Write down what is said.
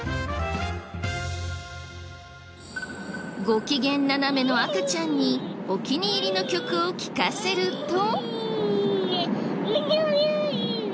ご機嫌斜めの赤ちゃんにお気に入りの曲を聴かせると。